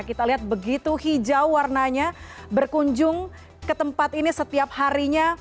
kita lihat begitu hijau warnanya berkunjung ke tempat ini setiap harinya